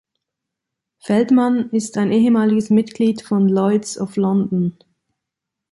Feldman ist ein ehemaliges Mitglied von Lloyd’s of London.